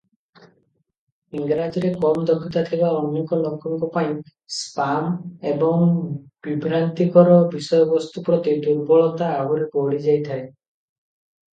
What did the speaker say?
ଇଂରାଜୀରେ କମ ଦକ୍ଷତା ଥିବା ଅନେକ ଲୋକଙ୍କ ପାଇଁ ସ୍ପାମ ଏବଂ ବିଭ୍ରାନ୍ତିକର ବିଷୟବସ୍ତୁ ପ୍ରତି ଦୁର୍ବଳତା ଆହୁରି ବଢ଼ିଯାଇଥାଏ ।